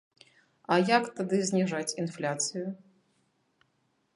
А як тады зніжаць інфляцыю?